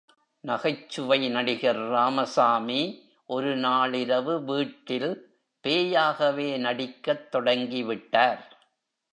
நகைச்சுவை நடிகர் ராமசாமி, ஒரு நாளிரவு வீட்டில் பேயாகவே நடிக்கத் தொடங்கிவிட்டார்.